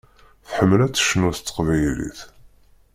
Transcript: Tḥemmel ad tecnu s teqbaylit.